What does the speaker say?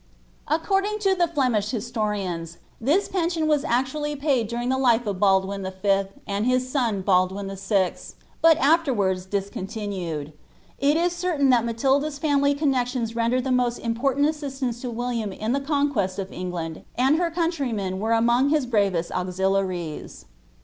* Accordiiw to ' "the Flemish historians, this pension waa actually paid during the life of ' Baldwin V. and liis sou Baldwin VI., but aAerwards discontinued. Ilii 1 that Matilda's family connexions rendered the most iinporunt a William in the conquest of England, and her couDtiymcn ' were nmong his bravest auxiliaiies.